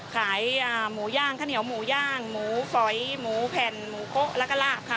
ขายหมูย่างข้าวเหนียวหมูย่างหมูฝอยหมูแผ่นหมูโกะแล้วก็ลาบค่ะ